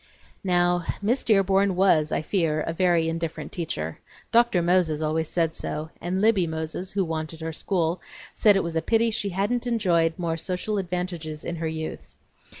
Now Miss Dearborn was, I fear, a very indifferent teacher. Dr. Moses always said so, and Libbie Moses, who wanted her school, said it was a pity she hadn't enjoyed more social advantages in her youth.